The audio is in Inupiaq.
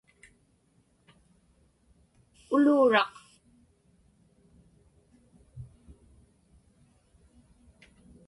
uluuraq